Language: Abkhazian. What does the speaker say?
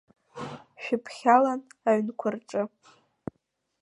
Шәымԥхьалан аҩнқәа рҿы.